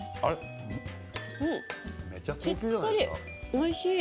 おいしい。